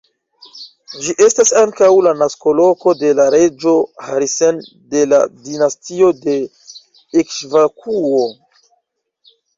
Ĝi estas ankaŭ la naskoloko de la reĝo Harisen de la dinastio de Ikŝvakuo.